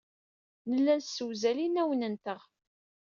Nella nessewzal inawen-nteɣ.